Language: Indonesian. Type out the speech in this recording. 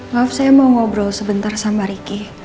maaf saya mau ngobrol sebentar sama ricky